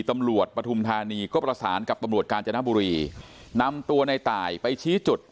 ปฐุมธานีก็ประสานกับตำรวจกาญจนบุรีนำตัวในตายไปชี้จุด